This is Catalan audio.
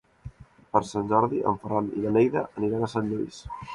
Per Sant Jordi en Ferran i na Neida aniran a Sant Lluís.